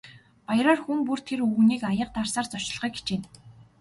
Баяраар хүн бүр тэр өвгөнийг аяга дарсаар зочлохыг хичээнэ.